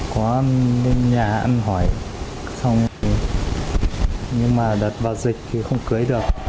qua nhà ăn hỏi nhưng mà đặt vào dịch thì không cưới được